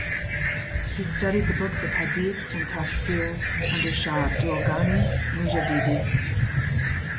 He studied the books of hadith and tafsir under "Shah Abdul Ghani Mujaddidi".